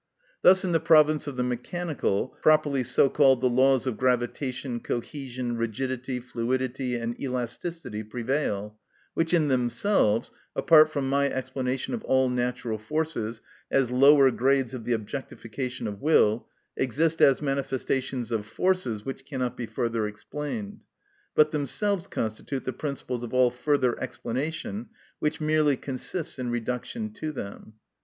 Thus in the province of the mechanical, properly so called, the laws of gravitation, cohesion, rigidity, fluidity, and elasticity prevail, which in themselves (apart from my explanation of all natural forces as lower grades of the objectification of will) exist as manifestations of forces which cannot be further explained, but themselves constitute the principles of all further explanation, which merely consists in reduction to them.